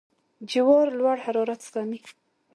جوار لوړ حرارت زغمي.